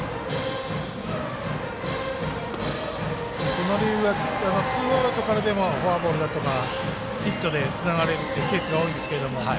その理由はツーアウトからでもフォアボールだとかヒットでつながれるというケースが多いですけれども。